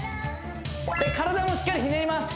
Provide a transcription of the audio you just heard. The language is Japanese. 体もしっかりひねります